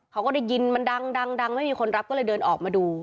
เขาก็ได้ยินมันดังไม่มีคนรับก็เลยเดินออกมาดู